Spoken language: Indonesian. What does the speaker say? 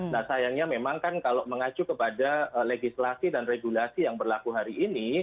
nah sayangnya memang kan kalau mengacu kepada legislasi dan regulasi yang berlaku hari ini